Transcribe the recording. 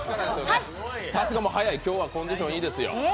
さすが速い、今日はコンディションいいですよ。